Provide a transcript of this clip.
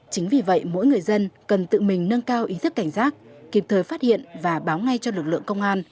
chính vì vậy mỗi người dân cần tự mình nâng cao ý thức cảnh giác kịp thời phát hiện và báo ngay cho lực lượng công an